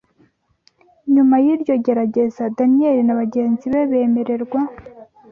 Nyuma y’iryo gerageza, Daniyeli na bagenzi be bemererwa